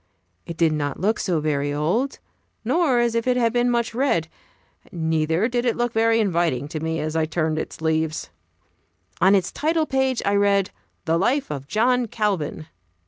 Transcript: It did not look so very old, nor as if it had been much read; neither did it look very inviting to me as I turned its leaves. On its title page I read "The Life of John Calvin."